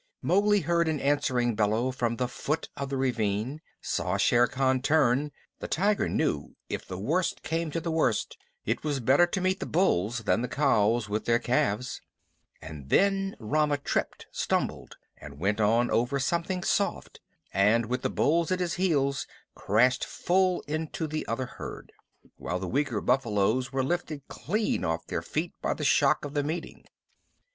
Mowgli heard an answering bellow from the foot of the ravine, saw Shere Khan turn (the tiger knew if the worst came to the worst it was better to meet the bulls than the cows with their calves), and then Rama tripped, stumbled, and went on again over something soft, and, with the bulls at his heels, crashed full into the other herd, while the weaker buffaloes were lifted clean off their feet by the shock of the meeting.